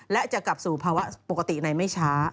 และจะกลับสู่ภาวะปกติในไม่ช้า